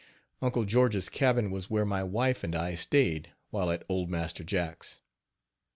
" Uncle George's cabin was where my wife and I stayed while at old Master Jack's.